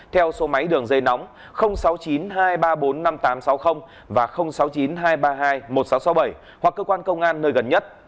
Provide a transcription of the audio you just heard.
theo số máy đường dây nóng sáu mươi chín hai trăm ba mươi bốn năm nghìn tám trăm sáu mươi và sáu mươi chín hai trăm ba mươi hai một nghìn sáu trăm sáu mươi bảy hoặc cơ quan công an nơi gần nhất